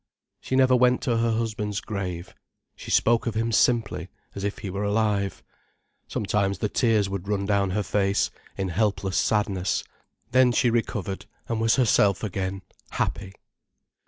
She never went to her husband's grave. She spoke of him simply, as if he were alive. Sometimes the tears would run down her face, in helpless sadness. Then she recovered, and was herself again, happy.